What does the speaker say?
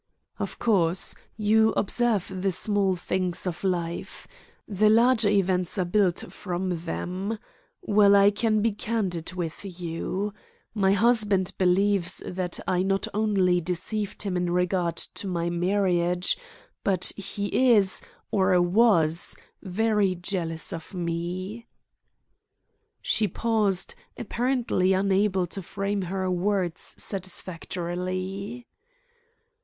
'" "Of course. You observe the small things of life. The larger events are built from them. Well, I can be candid with you. My husband believes that I not only deceived him in regard to my marriage, but he is, or was, very jealous of me." She paused, apparently unable to frame her words satisfactorily.